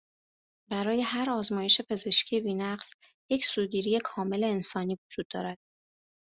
برای هر آزمایش پزشکی بینقص، یک سوگیری کاملِ انسانی وجود داره